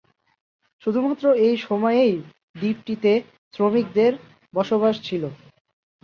শুধুমাত্র এই সময়েই দ্বীপটিতে শ্রমিকদের বসবাস ছিল।